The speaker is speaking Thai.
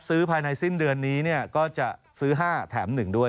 ซื้อภายในสิ้นเดือนนี้เนี่ยก็จะซื้อ๕แถม๑ด้วย